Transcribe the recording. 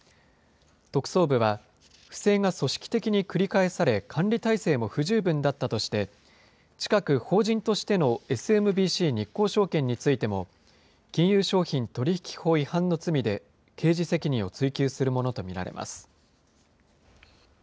特捜部は、不正が組織的に繰り返され、管理体制も不十分だったとして、近く法人としてのＳＭＢＣ日興証券についても金融商品取引法違反の罪で刑事責任を追及するものと見られます。